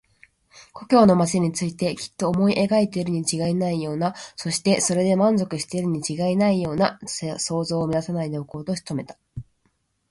故郷の町についてきっと思い描いているにちがいないような、そしてそれで満足しているにちがいないような想像を乱さないでおこうと努めた。